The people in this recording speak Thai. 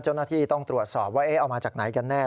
เจ้าหน้าที่ต้องตรวจสอบว่าเอามาจากไหนกันแน่